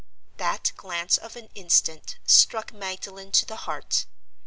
That glance of an instant struck Magdalen to the heart.